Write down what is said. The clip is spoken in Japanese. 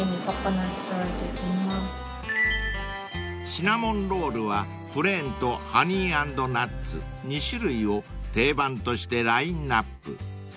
［シナモンロールはプレーンとハニー＆ナッツ２種類を定番としてラインアップ］